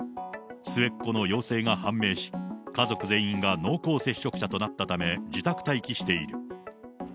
末っ子の陽性が判明し、家族全員が濃厚接触者となったため、自宅待機している。